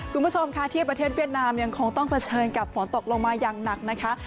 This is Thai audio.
คุณผู้ชมค่ะที่ประเทศเวียดนามยังคงต้องเผชิญกับฝนตกลงมาอย่างหนักนะคะ